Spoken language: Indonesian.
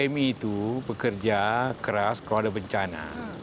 pmi itu bekerja keras kalau ada bencana